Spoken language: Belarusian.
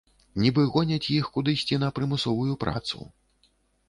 Нібы гоняць іх кудысьці на прымусовую працу.